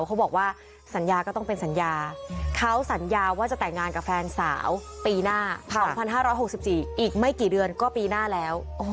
เขาบอกว่าสัญญาก็ต้องเป็นสัญญาเขาสัญญาว่าจะแต่งงานกับแฟนสาวปีหน้า๒๕๖๔อีกไม่กี่เดือนก็ปีหน้าแล้ว